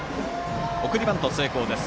送りバント成功です。